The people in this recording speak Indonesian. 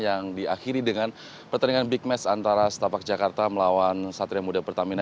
yang diakhiri dengan pertandingan big match antara setapak jakarta melawan satria muda pertamina